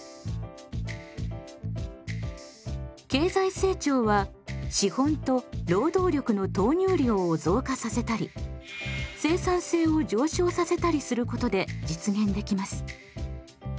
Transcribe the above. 経済成長は資本と労働力の投入量を増加させたり生産性を上昇させたりすることで実現できます。